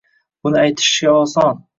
Buni aytishga oson.